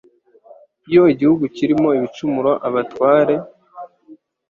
Iyo igihugu kirimo ibicumuro abatware